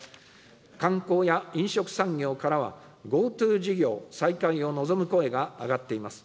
観光や飲食産業からは、ＧｏＴｏ事業再開を望む声が上がっています。